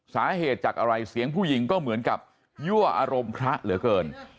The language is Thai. สาเหตุจากอะไรเสียงผู้หญิงก็เหมือนกับยั่วอารมณ์พระเหลือเกิน